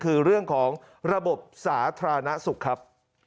คือเรื่องของระบบสาธารณสุขครับ